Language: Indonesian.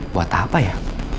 buat apa ya